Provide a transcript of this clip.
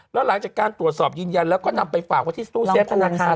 แล้วหลังจากการตรวจสอบยืนยันแล้วก็นำไปฝากไว้ที่ตู้เซฟธนาคาร